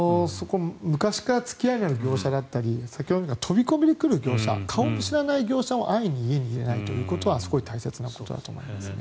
昔から付き合いのある業者だったり先ほどのように飛び込みで来る業者顔も知らない業者を安易に家に入れないということはすごい大切なことだと思います。